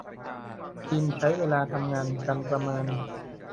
ทีมใช้เวลาทำงานกันประมาณ